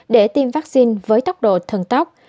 để tiêm vaccine với tốc độ thần tốc